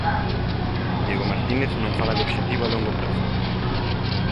Diego Martínez non fala de obxectivo a longo prazo.